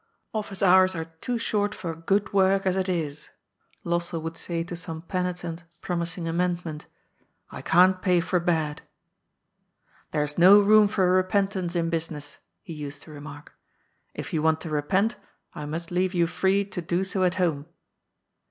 '^ Office hours are too short for good work, as it is," Lossell would say to some penitent promising amendment ;*' I can't pay for bad." ^' There's no room for repentance in business," he used to remark. *' If you want to repent, I must leave you free to do so at home."